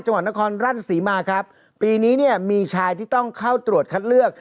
จังหวัดนครราชศรีมาครับปีนี้เนี่ยมีชายที่ต้องเข้าตรวจคัดเลือก